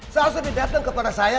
saat dia dateng kepada saya